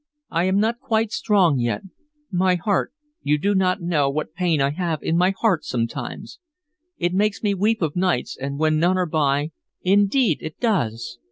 "I am not quite strong yet. My heart you do not know what pain I have in my heart sometimes. It makes me weep of nights and when none are by, indeed it does!"